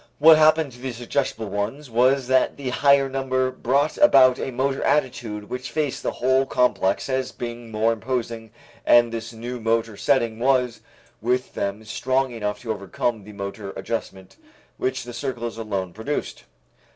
What happened to the suggestible ones was that the higher number brought about a motor attitude which faced that whole complex as being more imposing and this new motor setting was with them strong enough to overcome the motor adjustment which the circles alone produced.